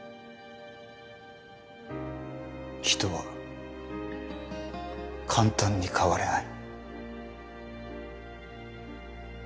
人は簡単に変われない。